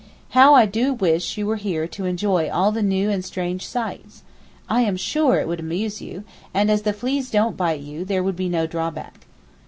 How I do wish you were here to enjoy all the new and strange sights! I am sure it would amuse you, and as the fleas don't bite you there would be no drawback.